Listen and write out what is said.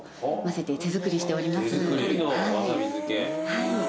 はい。